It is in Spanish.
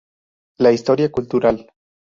La historia cultural".